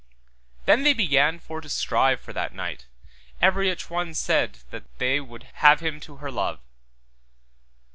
Then they began for to strive for that knight, everych one said they would have him to her love.